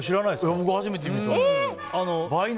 僕、初めて見た。